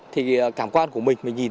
thì cảm quan của mình